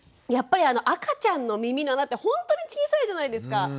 やっぱり赤ちゃんの耳の穴ってほんとに小さいじゃないですか。